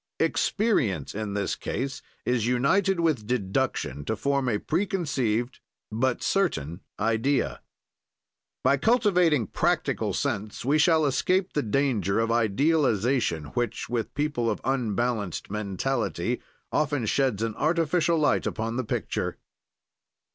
"Experience, in this case, is united with deduction to form a preconceived but certain idea. "By cultivating practical sense, we shall escape the danger of idealization which, with people of unbalanced mentality, often sheds an artificial light upon the picture."